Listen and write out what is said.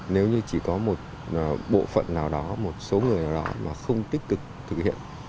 nếu như chỉ có một bộ phận nào đó một số người đó mà không tích cực thực hiện